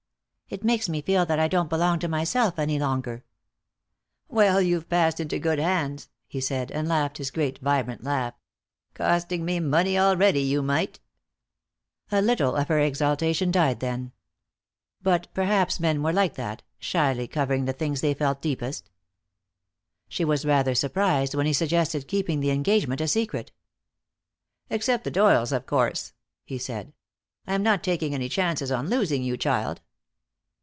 "It makes me feel that I don't belong to myself any longer." "Well, you've passed into good hands," he said, and laughed his great, vibrant laugh. "Costing me money already, you mite!" A little of her exaltation died then. But perhaps men were like that, shyly covering the things they felt deepest. She was rather surprised when he suggested keeping the engagement a secret. "Except the Doyles, of course," he said. "I am not taking any chances on losing you, child."